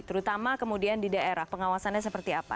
terutama kemudian di daerah pengawasannya seperti apa